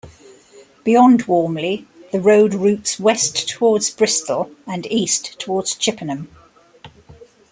Beyond Warmley the road routes west towards Bristol and east towards Chippenham.